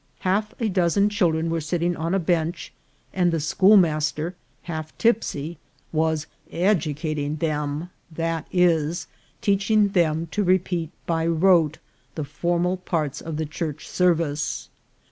Half a dozen children were sitting on a bench, and the schoolmaster, half tip sy, was educating them, i. e., teaching them to repeat by rote the formal parts of the church service.